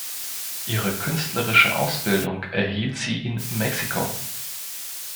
Ihre künstlerische Ausbildung erhielt sie in Mexiko.